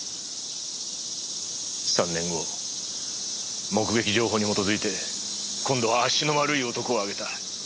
３年後目撃情報に基づいて今度は足の悪い男をあげた。